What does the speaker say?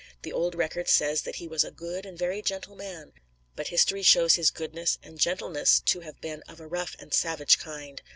The old record says that he was "a good and very gentle man"; but history shows his goodness and gentleness to have been of a rough and savage kind.